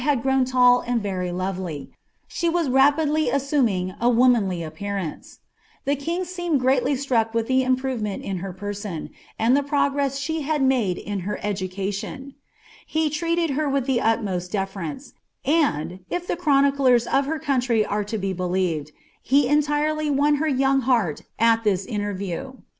grown IaII and very lovely ; she was rapidly assuming' a pearaiice. The kii>g eeemed greaily stiuck with the inpfun hex perean, and the progress she had made in her «daeaiicn. Ik treated her with the utmost deference; and, if the chrotiicln* nf kci country are to be believed, he entirely won her young heart at iliii ia> lerriew.